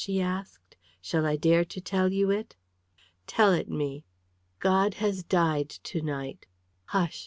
she asked. "Shall I dare to tell you it?" "Tell it me!" "God has died to night. Hush!